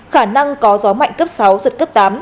khả năng có gió mạnh cấp sáu giật cấp tám